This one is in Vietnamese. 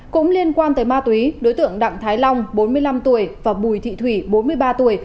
cũng liên quan tới ma túy đối tượng đặng thái long bốn mươi năm tuổi và bùi thị thủy bốn mươi ba tuổi